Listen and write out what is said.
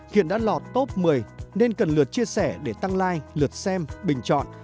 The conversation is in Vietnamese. hiện đã lọt top một mươi nên cần lượt chia sẻ để tăng like lượt xem bình chọn